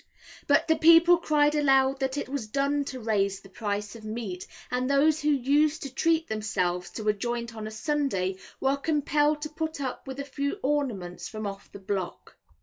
But the people cried aloud that it was done to raise the price of meat, and those who used to treat themselves to a joint on a Sunday were compelled to put up with a few ornaments from off the block.